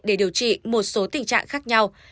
để điều trị một số tình trạng khác nhau